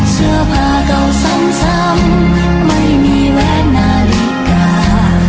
เสื้อผ้าเก่าซ้ำไม่มีเวลานาฬิกา